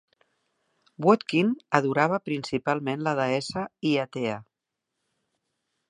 Voadkyn adorava principalment la deessa Hiatea.